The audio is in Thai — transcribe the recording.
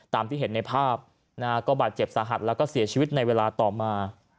ตามที่เห็นในภาพนะฮะก็บาดเจ็บสาหัสแล้วก็เสียชีวิตในเวลาต่อมา